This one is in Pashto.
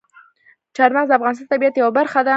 چار مغز د افغانستان د طبیعت یوه برخه ده.